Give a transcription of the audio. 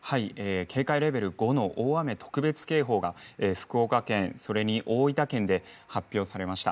警戒レベル５の大雨特別警報が福岡県それに大分県で発表されました。